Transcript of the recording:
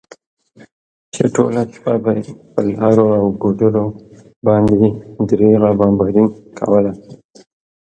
چې ټوله شپه به یې پر لارو او ګودرو باندې بې درېغه بمباري کوله.